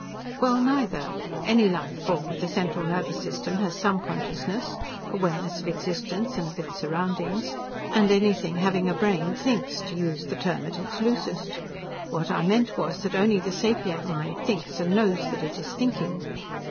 "Well, neither. Any life form with a central nervous system has some consciousness awareness of existence and of its surroundings. And anything having a brain thinks, to use the term at its loosest. What I meant was that only the sapient mind thinks and knows that it is thinking."